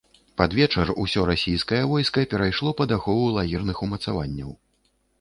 Пад вечар усё расійскае войска перайшло пад ахову лагерных умацаванняў.